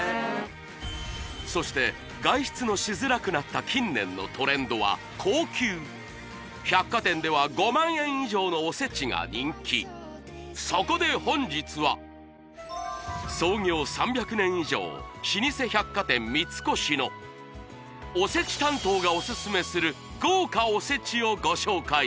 そして外出のしづらくなった近年のトレンドは高級百貨店では５万円以上のおせちが人気そこで本日は創業３００年以上老舗百貨店三越のおせち担当がおすすめする豪華おせちをご紹介